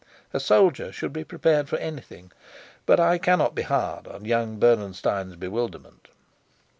A soldier should be prepared for anything, but I cannot be hard on young Bernenstein's bewilderment.